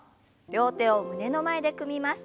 両手を胸の前で組みます。